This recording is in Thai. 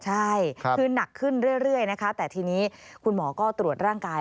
ใช่คือหนักขึ้นเรื่อยนะคะแต่ทีนี้คุณหมอก็ตรวจร่างกาย